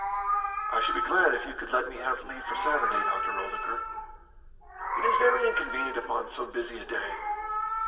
"I should be glad if you could let me have leave for Saturday, Dr. Oldacre." "It is very inconvenient upon so busy a day."